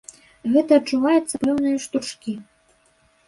Гэта адчуваецца, пэўныя штуршкі.